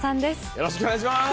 よろしくお願いします。